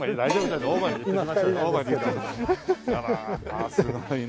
あらすごいね。